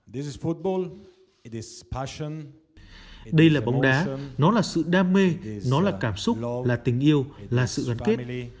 đây là bóng đá nó là sự đam mê nó là cảm xúc là tình yêu là sự gắn kết